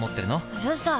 うるさい！